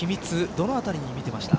どのあたりに見ていました。